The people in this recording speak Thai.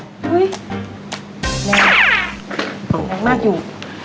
ต้องมางีมากอยู่